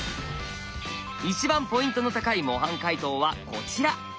一番ポイントの高い模範解答はこちら。